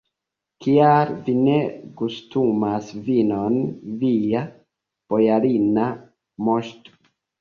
Kial vi ne gustumas vinon, via bojarina moŝto?